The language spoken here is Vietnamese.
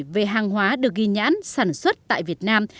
về hàng hóa được ghi nhãn sản xuất tại việt nam